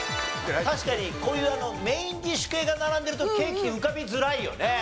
確かにこういうメインディッシュ系が並んでる時ケーキって浮かびづらいよね。